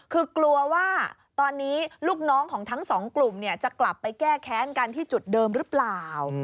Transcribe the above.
คือกลัวว่าตอนนี้ลูกน้องของทั้งสองกลุ่มจะกลับไปแก้แค้นกันที่จุดเดิมหรือเปล่า